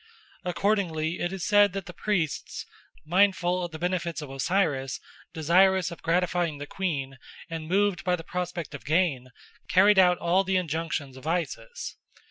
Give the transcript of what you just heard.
Accordingly it is said that the priests, mindful of the benefits of Osiris, desirous of gratifying the queen, and moved by the prospect of gain, carried out all the injunctions of Isis.